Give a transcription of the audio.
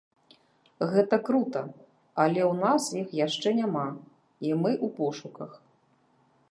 Гэта крута, але ў нас іх яшчэ няма, і мы ў пошуках.